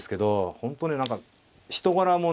本当ね何か人柄もね